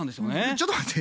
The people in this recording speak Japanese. ちょっと待って。